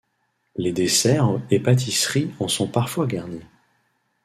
Les desserts et pâtisseries en sont parfois garnis.